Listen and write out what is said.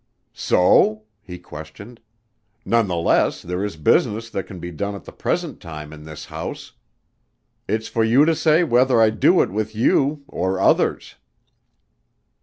"So?" he questioned. "Nonetheless there is business that can be done at the present time in this house. It's for you to say whether I do it with you or others."